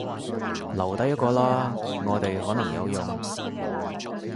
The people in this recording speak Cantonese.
留低一個啦，我哋可能有用